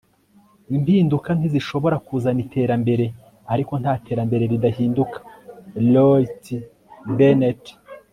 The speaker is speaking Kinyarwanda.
impinduka ntizishobora kuzana iterambere, ariko nta terambere ridahinduka. - roy t. bennett